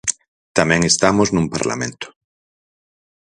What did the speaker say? Tamén estamos nun parlamento.